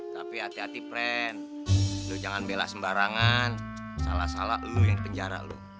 tapi hati hati pren lu jangan bela sembarangan salah salah lu yang penjara lu